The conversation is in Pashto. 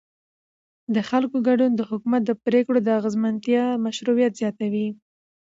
د خلکو ګډون د حکومت د پرېکړو د اغیزمنتیا او مشروعیت زیاتوي